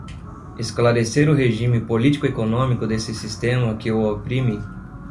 esclarecer o regime político-econômico desse sistema que o oprime